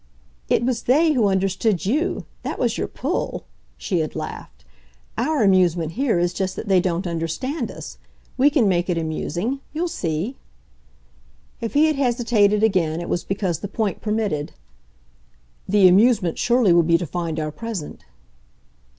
"It was they who understood you that was your pull," she had laughed. "Our amusement here is just that they don't understand us. We can make it amusing. You'll see." If he had hesitated again it was because the point permitted. "The amusement surely will be to find our present."